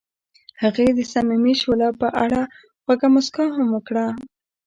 هغې د صمیمي شعله په اړه خوږه موسکا هم وکړه.